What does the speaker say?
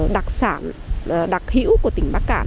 đặc sản đặc hữu của tỉnh bắc cạn